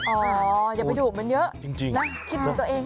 อ๋ออย่าไปโดบมันเยอะ๊ะคิดถึงตัวเองมากจริง